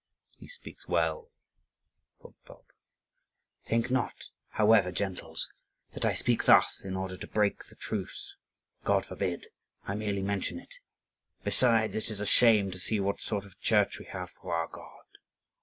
"He speaks well," thought Bulba. "Think not, however, gentles, that I speak thus in order to break the truce; God forbid! I merely mention it. Besides, it is a shame to see what sort of church we have for our God.